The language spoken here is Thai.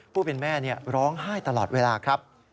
ผู้เป็นแม่ร้องไห้ตลอดเวลาครับ